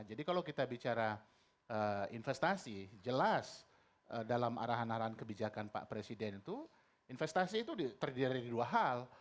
jadi kalau kita bicara investasi jelas dalam arahan arahan kebijakan pak presiden itu investasi itu terdiri dari dua hal